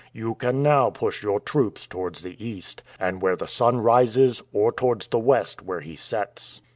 You can now push your troops towards the east, and where the sun rises, or towards the west, where he sets."